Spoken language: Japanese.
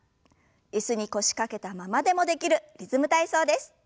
椅子に腰掛けたままでもできる「リズム体操」です。